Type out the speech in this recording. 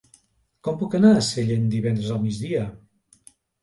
Com puc anar a Sellent divendres al migdia?